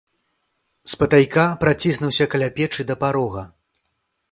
Спатайка праціснуўся каля печы да парога.